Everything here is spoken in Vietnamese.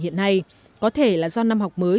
hiện nay có thể là do năm học mới